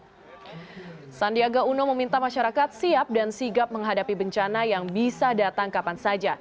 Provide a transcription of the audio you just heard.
hai sandiaga uno meminta masyarakat siap dan sigap menghadapi bencana yang bisa datang kapan saja